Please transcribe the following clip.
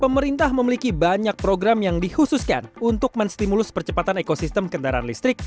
pemerintah memiliki banyak program yang dikhususkan untuk menstimulus percepatan ekosistem kendaraan listrik